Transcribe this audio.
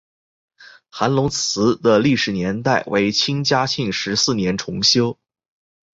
韩泷祠的历史年代为清嘉庆十四年重修。